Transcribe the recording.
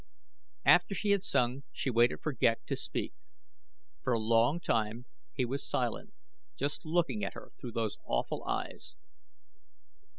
After she had sung she waited for Ghek to speak. For a long time he was silent, just looking at her through those awful eyes.